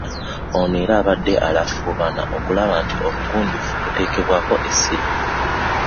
Ono era abadde alafuubana okulaba nti obugunjufu buteekebwako essira.